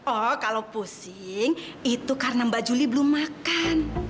oh kalau pusing itu karena mbak juli belum makan